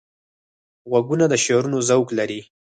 غوږونه د شعرونو ذوق لري